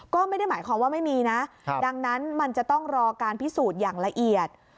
ก็ไม่ได้หมายความว่าไม่มีนะดังนั้นมันจะต้องรอการพิสูจน์อย่างละเอียด